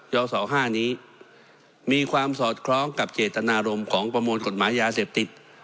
ศ๕นี้มีความสอดคล้องกับเจตนารมณ์ของประมวลกฎหมายยาเสพติด